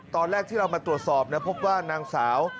ตอนแรกที่เรามาตรวจสอบพบว่านางสาว